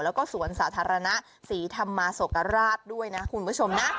แล้วก็สวนสาธารณะศรีธรรมาศกราชด้วยนะคุณผู้ชมนะ